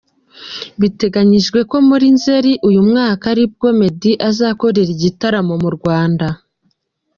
Biteganyijwe ko muri Nzeli uyu mwaka aribwo Meddy azakorera igitaramo mu Rwanda.